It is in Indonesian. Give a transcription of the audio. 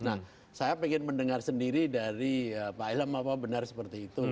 nah saya ingin mendengar sendiri dari pak ilham apa benar seperti itu